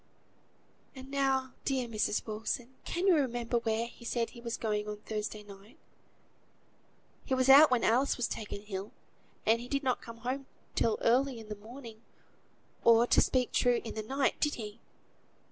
"And now, dear Mrs. Wilson, can you remember where he said he was going on Thursday night? He was out when Alice was taken ill; and he did not come home till early in the morning, or, to speak true, in the night: did he?"